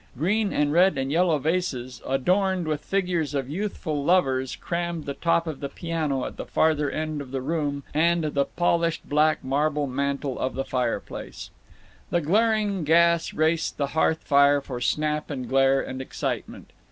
Green and red and yellow vases adorned with figures of youthful lovers crammed the top of the piano at the farther end of the room and the polished black marble mantel of the fireplace. The glaring gas raced the hearth fire for snap and glare and excitement.